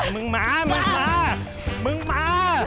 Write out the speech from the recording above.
มึงมามึงมามึงมา